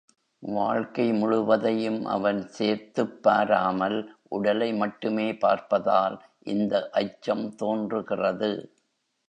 வாழ்க்கை முழுவதையும் அவன் சேர்த்துப் பாராமல், உடலை மட்டுமே பார்ப்பதால், இந்த அச்சம் தோன்றுகிறது.